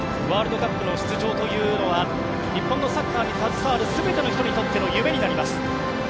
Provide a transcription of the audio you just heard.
ワールドカップの出場というのは日本のサッカーに携わる全ての人にとっての夢になります。